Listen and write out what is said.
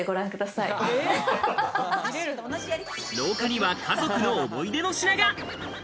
廊下には家族の思い出の品が。